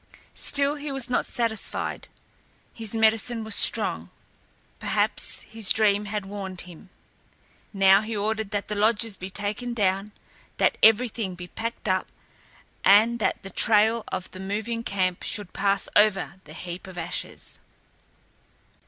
Still he was not satisfied. His medicine was strong; perhaps his dream had warned him. Now he ordered that the lodges be taken down, that everything be packed up, and that the trail of the moving camp should pass over the heap of ashes.